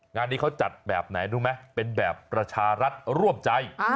งานนี้เขาจัดแบบไหนรู้ไหมเป็นแบบประชารัฐร่วมใจ